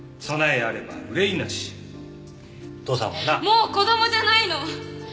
もう子供じゃないの！